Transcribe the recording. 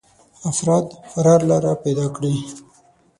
افراد فرار لاره پيدا کړي.